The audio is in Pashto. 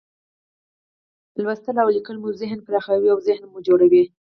لوستل او لیکل مو ذهن پراخوي، اوذهین مو جوړوي.